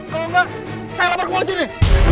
kalau enggak saya lapar kembali sini